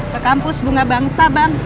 ke kampus bunga bangsa bang